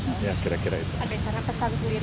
ada yang sangat pesan sendiri